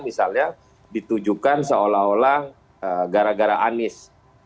misalnya ditujukan seolah olah gara gara anies